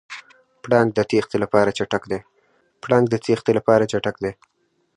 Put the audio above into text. پړانګ د تېښتې لپاره چټک دی.